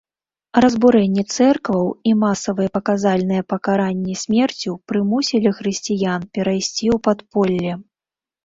Разбурэнне цэркваў і масавыя паказальныя пакаранні смерцю прымусілі хрысціян перайсці ў падполле.